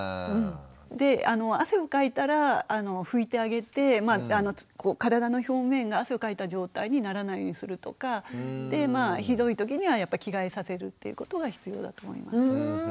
で汗をかいたら拭いてあげて体の表面が汗をかいた状態にならないようにするとかひどい時には着替えさせるっていうことが必要だと思います。